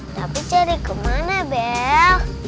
tapi cari kemana bek